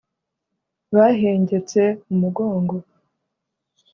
bahengetse umugongo